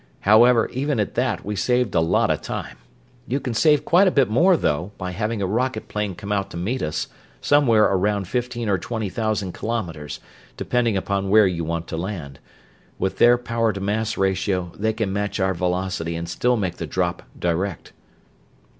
However, even at that we saved a lot of time. You can save quite a bit more, though, by having a rocket plane come out to meet us somewhere around fifteen or twenty thousand kilometers, depending upon where you want to land. With their power to mass ratio they can match our velocity and still make the drop direct."